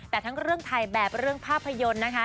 แต่ทั้งเรื่องถ่ายแบบเรื่องภาพยนตร์นะคะ